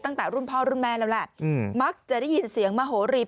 ตั้งแต่รุ่นพ่อรุ่นแม่แล้วแหละมักจะได้ยินเสียงมโหรีม